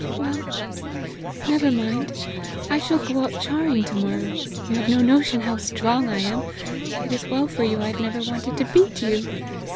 "Well, never mind! I shall go out charing to morrow. You have no notion how strong I am. It is well for you I have never wanted to beat you.